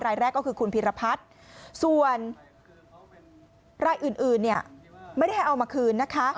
รายแรกก็คือคุณพีรพัฒน์ส่วนรายอื่นเนี่ยไม่ได้ให้เอามาคืนนะคะ